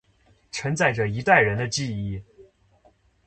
承载着一代人的记忆